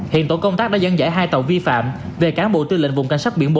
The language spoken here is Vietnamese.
hiện tổ công tác đã dẫn giải hai tàu vi phạm về cán bộ tư lệnh vùng cảnh sát biển bốn